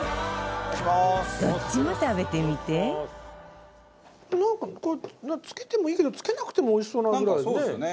どっちも食べてみてなんかこれつけてもいいけどつけなくてもおいしそうなぐらいね。